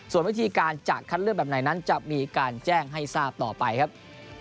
ส่วนวิธีการจะคัดเลือกแบบไหนนั้นจะมีการแจ้งให้ทราบต่อไปครับ